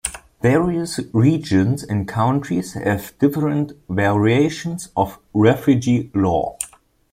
Various regions and countries have different variations of refugee law.